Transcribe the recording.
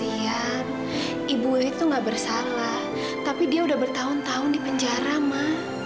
ibu wih itu gak bersalah tapi dia udah bertahun tahun di penjara ma